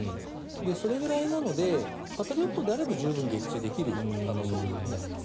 それぐらいなのでパトリオットであれば十分撃墜できる速度になります。